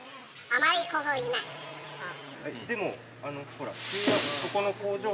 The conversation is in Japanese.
でもほら。